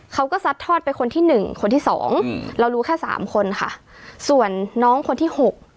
เขาก็ซัดทอดไปคนที่๑คนที่๒เรารู้แค่๓คนค่ะส่วนน้องคนที่๖